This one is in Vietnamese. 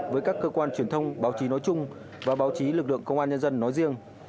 với các cơ quan truyền thông báo chí nói chung và báo chí lực lượng công an nhân dân nói riêng